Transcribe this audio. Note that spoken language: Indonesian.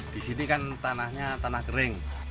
di sini kan tanahnya tanah kering